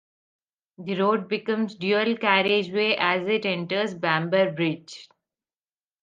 The road becomes dual-carriageway as it enters Bamber Bridge.